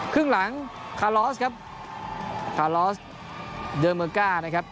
ครึ่งหลังคาลอสครับคาลอสเดอร์เมอร์ก้านะครับ